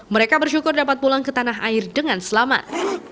mereka bersyukur dapat pulang ke tanah air dengan selamat